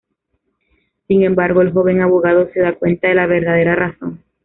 Sin embargo, el joven abogado se da cuenta de la verdadera razón.